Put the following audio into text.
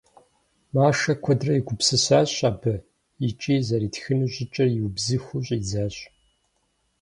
Машэ куэдрэ егупсысащ абы икӏи зэритхыну щӏыкӏэр иубзыхуу щӏидзащ.